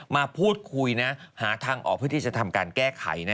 มาพูดคุยนะหาทางออกเพื่อที่จะทำการแก้ไขนะ